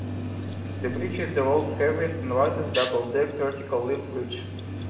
The bridge is the world's heaviest and widest double-decked vertical-lift bridge.